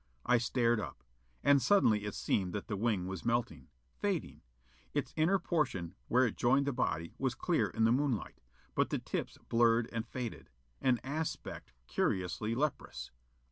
I stared up; and suddenly it seemed that the wing was melting. Fading. Its inner portion, where it joined the body, was clear in the moonlight. But the tips blurred and faded. An aspect curiously leprous.